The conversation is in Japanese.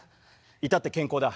いたって健康だ。